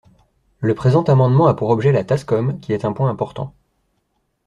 Le présent amendement a pour objet la TASCOM, qui est un point important.